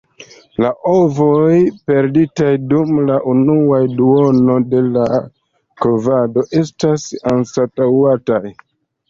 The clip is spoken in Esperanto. La ovoj perditaj dum la unua duono de la kovado estas anstataŭataj.